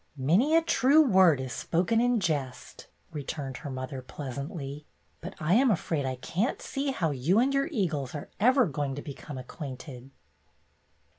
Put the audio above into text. "' '''Many a true word is spoken in jest,"" returned her mother, pleasantly, "but I am afraid I can't see how you and your eagles are ever going to become acquainted."